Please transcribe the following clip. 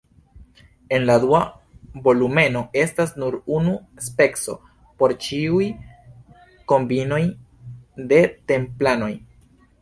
En la dua volumeno estas nur unu speco por ĉiuj kombinoj de templanoj.